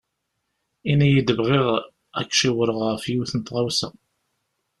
Ini-yi-d bɣiɣ ad ak-ciwreɣ ɣef yiwet n tɣawsa.